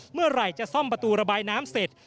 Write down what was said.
เมื่อไหร่จะซ่อมประตูระบายน้ำเสร็จ